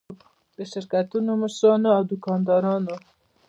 د شرکتونو مشرانو او دوکاندارانو.